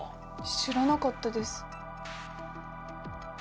知らなかったです。